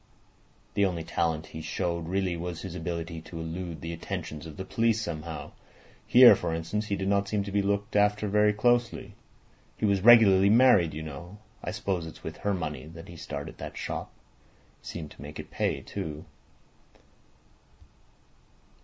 The only talent he showed really was his ability to elude the attentions of the police somehow. Here, for instance, he did not seem to be looked after very closely. He was regularly married, you know. I suppose it's with her money that he started that shop. Seemed to make it pay, too."